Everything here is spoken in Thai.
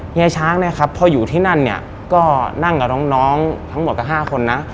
เฮียช้างเนี่ยครับพออยู่ที่นั่นเนี่ยก็นั่งกับน้องทั้งหมดกับ๕คนนะ